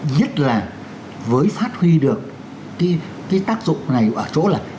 nhất là với phát huy được cái tác dụng này ở chỗ là